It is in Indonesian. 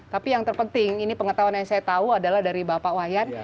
tapi yang terpenting ini pengetahuan yang saya tahu adalah dari bapak wayan